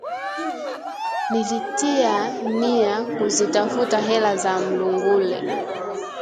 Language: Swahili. Nilitia nia kuzitafuta hela za mlungule